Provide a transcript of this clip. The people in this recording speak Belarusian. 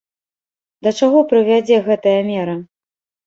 Да чаго прывядзе гэтая мера?